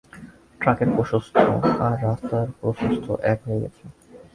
ট্রাকের প্রশস্ত আর, রাস্তার প্রশস্ত এক হয়ে গেছে।